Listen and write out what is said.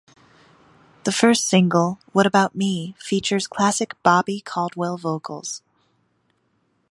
The first single, "What About Me" features classic Bobby Caldwell vocals.